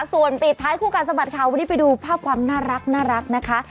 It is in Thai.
ส่วนปิดท้ายคู่กัดสะบัดข่าววันนี้ไปดูภาพความน่ารักนะคะ